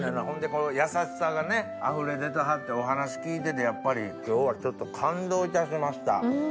ほんでこの優しさがねあふれ出てはってお話聞いててやっぱり今日はちょっと感動いたしました。